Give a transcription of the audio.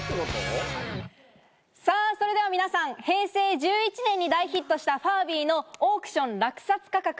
さぁ、それでは皆さん、平成１１年に大ヒットしたファービーのオークション落札価格。